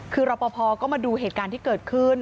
คือรอปภก็มาดูเหตุการณ์ที่เกิดขึ้น